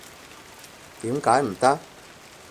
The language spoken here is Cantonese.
點解唔得？